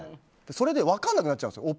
それで分からなくなっちゃうんですよ。